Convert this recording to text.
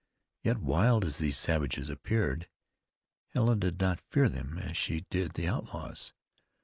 Yet wild as these savages appeared, Helen did not fear them as she did the outlaws.